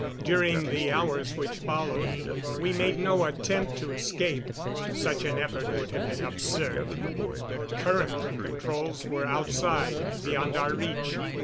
During the hours which followed, we made no attempt to escape. Such an effort would have been absurd. The current controls were outside, beyond our reach.